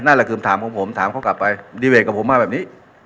นั่นแหละคือถามของผมถามเขากลับไปดีเบตกับผมมาแบบนี้